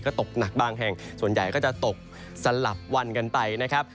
ก็ตกหนักบางแห่งส่วนใหญ่ก็จะตกสลับวันกันไปนะครับ